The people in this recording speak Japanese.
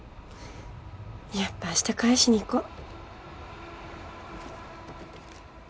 やっぱ明日返しに行こう。